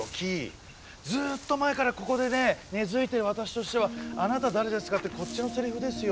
ずっと前からここでね根づいてる私としては「あなた誰ですか？」ってこっちのセリフですよ。